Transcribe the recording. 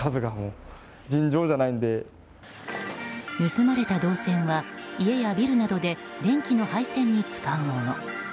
盗まれた銅線は家やビルなどで電気の配線に使うもの。